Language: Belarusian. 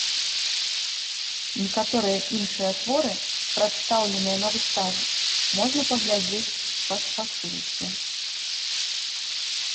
Некаторыя іншыя творы, прадстаўленыя на выставе, можна паглядзець па спасылцы.